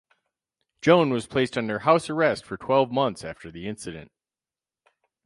Joan was placed under house arrest for twelve months after the incident.